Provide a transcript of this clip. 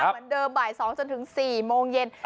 เหมือนเดิมบ่าย๒จนถึง๔โมงเย็น